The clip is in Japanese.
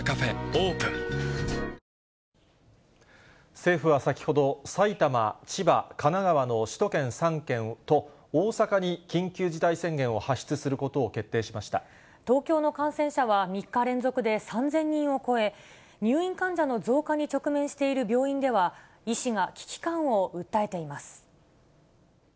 政府は先ほど、埼玉、千葉、神奈川の首都圏３県と大阪に緊急事態宣言を発出することを決定し東京の感染者は３日連続で３０００人を超え、入院患者の増加に直面している病院では、医師が危機感を訴えています。